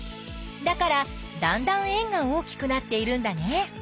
だからだんだん円が大きくなっているんだね。